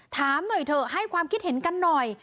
ถามหน่อยเถอะให้ความคิดเห็นกันหน่อย